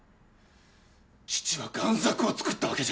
父は贋作をつくったわけじゃない。